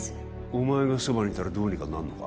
お前がそばにいたらどうにかなるのか？